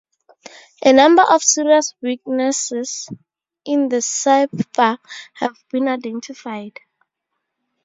A number of serious weaknesses in the cipher have been identified.